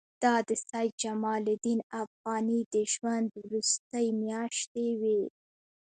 دا د سید جمال الدین افغاني د ژوند وروستۍ میاشتې وې.